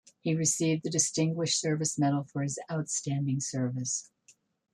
He received the Distinguished Service Medal for his outstanding service.